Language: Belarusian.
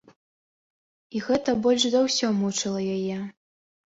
І гэта больш за ўсё мучыла яе.